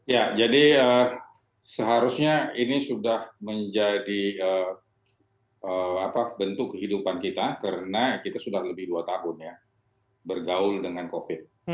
ya jadi seharusnya ini sudah menjadi bentuk kehidupan kita karena kita sudah lebih dua tahun ya bergaul dengan covid